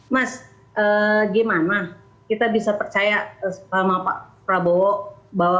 mas gimana kita bisa percaya sama pak prabowo bahwa pak prabowo bakal penduduki sama rakyat